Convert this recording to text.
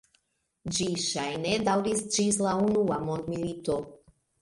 Ĝi ŝajne daŭris ĝis la unua mondmilito.